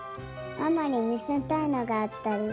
ママにみせたいのがあったり。